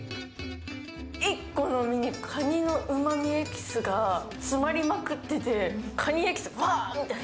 １個の身にカニのうまみエキスが詰まりまくってて、カニエキス、ぶわって。